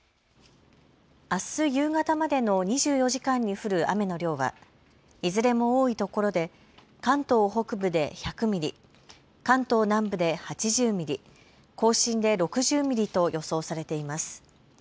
あす夕方までの２４時間に降る雨の量はいずれも多いところで関東北部で１００ミリ、関東南部で８０ミリ、甲信で６０ミリと予想されています。